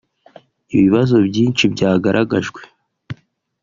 Ibibazo byinshi byagaragajwe